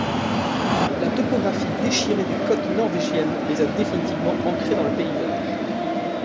La topographie déchirée des côtes norvégiennes les a définitivement ancrées dans le paysage.